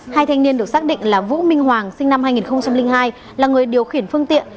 hai thanh niên được xác định là vũ minh hoàng sinh năm hai nghìn hai là người điều khiển phương tiện